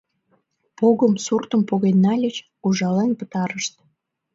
Погым, суртым поген нальыч, ужален пытарышт.